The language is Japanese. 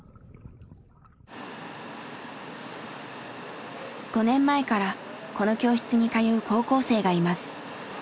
５年前からこの教室に通う高校生がいます。